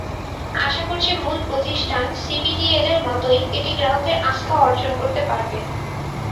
আশা করছি মূল প্রতিষ্ঠান সিপিডিএলের মতোই এটি গ্রাহকের আস্থা অর্জন করতে পারবে।